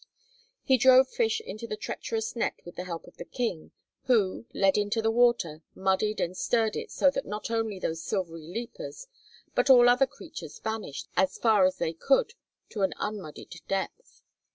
He drove fish into the treacherous net with the help of the King, who, led into the water, muddied and stirred it so that not only those silvery leapers but all other creatures vanished as far as they could to an unmuddied depth.